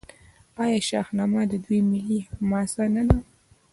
آیا شاهنامه د دوی ملي حماسه نه ده؟